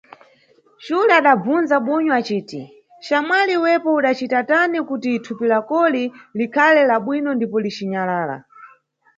Xule adabzundza bunyu aciti, xamwali iwepo udacita tani kuti thupi lakoli likhale la bwino ndipo lici nyalala?